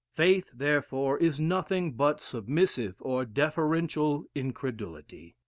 Faith, therefore, is nothing but submissive or deferential incredulity.